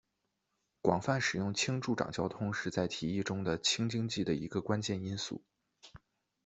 广泛使用氢助长交通是在提议中的氢经济的一个关键因素。